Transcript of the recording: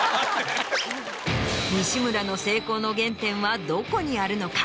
西村の成功の原点はどこにあるのか？